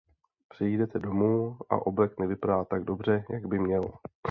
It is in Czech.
Přijdete domů a oblek nevypadá tak dobře, jak by měl.